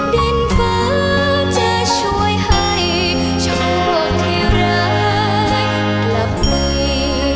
เด็นเฟ้าจะช่วยให้ช่วงพวกเทรียร้ายกลับไป